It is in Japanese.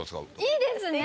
いいですね